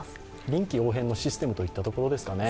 臨機応変のシステムといったところですかね。